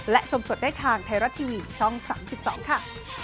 และชมสดได้ทางไทยรัฐทีวีช่อง๓๒ค่ะ